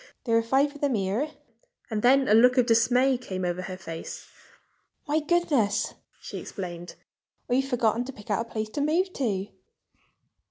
"There are five of them here." And then, a look of dismay came over her face. "My goodness!" she exclaimed. "I've forgotten to pick out a place to move to!"